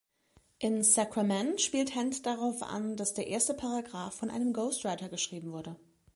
In „Sacrament“ spielt Hand darauf an, dass der erste Paragraph von einem Ghostwriter geschrieben wurde.